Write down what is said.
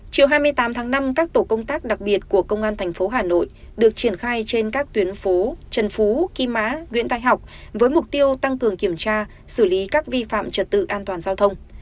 chiều hai mươi tám tháng năm các tổ công tác đặc biệt của công an thành phố hà nội được triển khai trên các tuyến phố trần phú kim mã nguyễn thái học với mục tiêu tăng cường kiểm tra xử lý các vi phạm trật tự an toàn giao thông